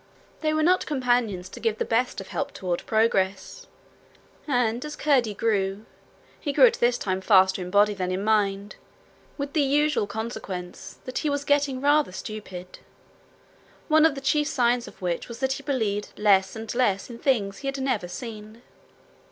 They were not companions to give the best of help toward progress, and as Curdie grew, he grew at this time faster in body than in mind with the usual consequence, that he was getting rather stupid one of the chief signs of which was that he believed less and less in things he had never seen.